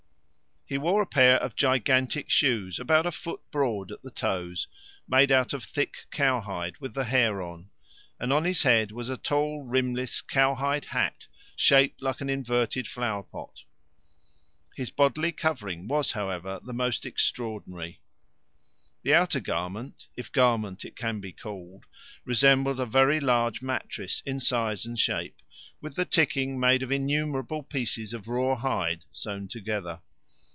He wore a pair of gigantic shoes, about a foot broad at the toes, made out of thick cow hide with the hair on; and on his head was a tall rimless cow hide hat shaped like an inverted flower pot. His bodily covering was, however, the most extraordinary: the outer garment, if garment it can be called, resembled a very large mattress in size and shape, with the ticking made of innumerable pieces of raw hide sewn together.